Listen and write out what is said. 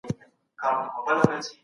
پيژني هغه څوک چي ډیره مطالعه کوي.